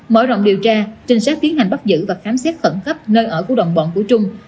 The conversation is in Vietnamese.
mở rộng điều tra trinh sát tiến hành bắt giữ và khám xét khẩn cấp nơi ở của đồng bọn của trung